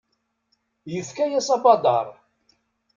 Yefka-yas abadaṛ.